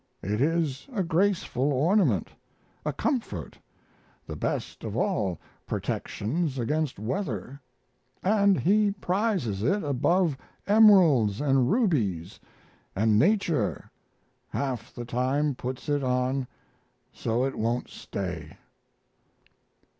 It is a graceful ornament, a comfort, the best of all protections against weather, and he prizes it above emeralds and rubies, and Nature half the time puts it on so it won't stay.